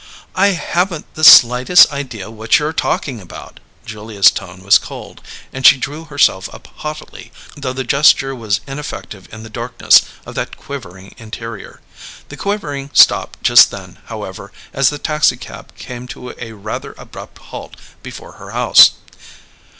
"I haven't the slightest idea what you're talking about." Julia's tone was cold, and she drew herself up haughtily, though the gesture was ineffective in the darkness of that quivering interior. The quivering stopped just then, however, as the taxicab came to a rather abrupt halt before her house.